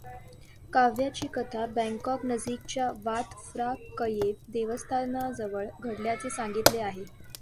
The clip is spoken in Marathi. काव्याची कथा बँकॉकनजीकच्या वात फ्रा कयेव देवस्थानाजवळ घडल्याचे सांगितले आहे.